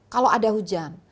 kalau ada hujan